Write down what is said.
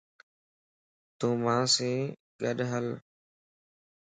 تون مان سين گڏھل